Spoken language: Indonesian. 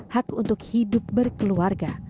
hak untuk hidup berkeluarga